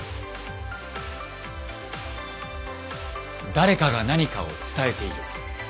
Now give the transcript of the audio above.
誰かが何かを伝えている。